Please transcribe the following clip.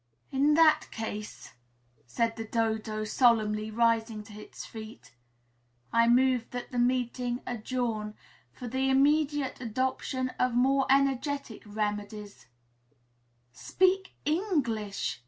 "In that case," said the Dodo solemnly, rising to its feet, "I move that the meeting adjourn, for the immediate adoption of more energetic remedies " "Speak English!"